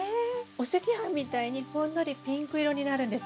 お赤飯みたいにほんのりピンク色になるんです。